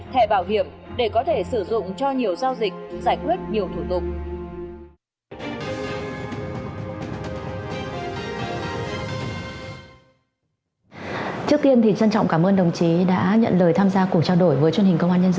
thẻ bảo hiểm để có thể sử dụng cho nhiều giao dịch